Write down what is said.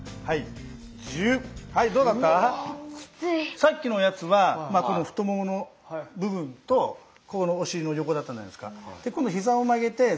さっきのやつはこの太ももの部分とここのお尻の横だったじゃないですか。